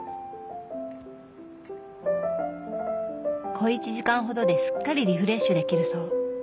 小一時間ほどですっかりリフレッシュできるそう。